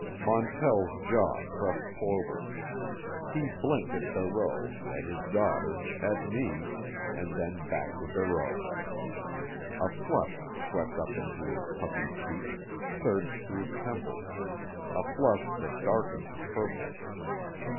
Montell's jaw thrust forward. He blinked at Barreau, at his daughter, at me, and then back to Barreau. A flush swept up into his puffy cheeks, surged to his temples, a flush that darkened to purple.